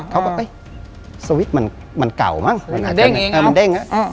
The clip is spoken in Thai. เขาก็เฮ้ยมันเก่ามั้งมันเด้งเองอ่ามันเด้งอ่ะอ่า